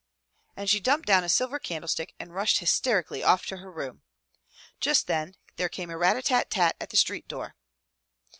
And she dumped down a silver candlestick and rushed hys terically off to her room. Just then there came a rat a tat tat at the street door.